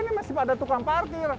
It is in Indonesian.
ini masih pada tukang parkir